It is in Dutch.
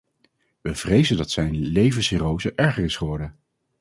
We vrezen dat zijn levercirrose erger is geworden.